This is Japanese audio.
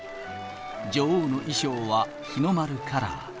女王の衣装は日の丸カラー。